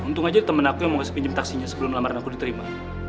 untung aja temen aku yang mau gak pinjam taksinya sebelum lamaran aku diterima